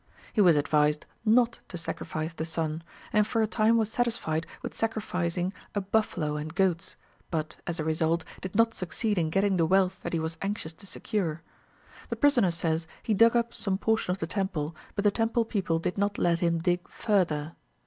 He was advised not to sacrifice the son, and for a time was satisfied with sacrificing a buffalo and goats, but, as a result, did not succeed in getting the wealth that he was anxious to secure. The prisoner says he dug up some portion of the temple, but the temple people did not let him dig further.